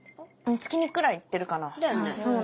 月２くらい行ってるかな。